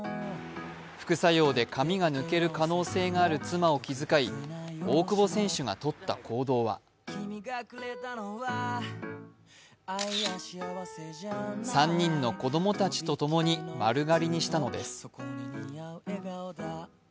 副作用で髪が抜ける可能性がある妻を気遣い、大久保選手がとった行動は３人の子供たちと共に、丸刈りにしたのです。